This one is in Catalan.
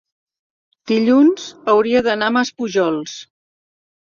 dilluns hauria d'anar a Maspujols.